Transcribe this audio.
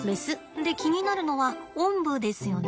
で気になるのはおんぶですよね。